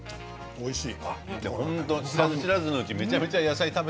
おいしい。